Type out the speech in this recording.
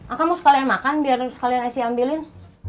akang mau sekalian makan biar sekalian esy ambilin